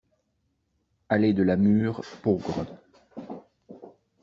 Allée de la Mûre, Peaugres